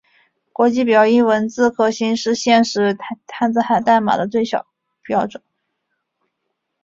国际表意文字核心是现时汉字编码的最小标准。